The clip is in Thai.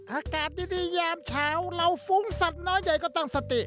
อากาศดียามเช้าเราฟุ้งสัตว์น้อยใหญ่ก็ตั้งสติ